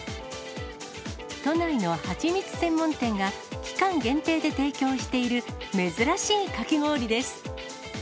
都内のはちみつ専門店が、期間限定で提供している珍しいかき氷です。